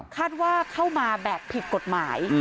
คาดว่าเข้ามาแบบผิดกฎหมาย